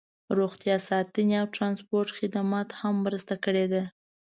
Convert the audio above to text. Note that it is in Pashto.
روغتیا ساتنې او ټرانسپورټ خدماتو هم مرسته کړې ده